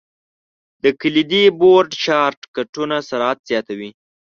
د کلیدي بورډ شارټ کټونه سرعت زیاتوي.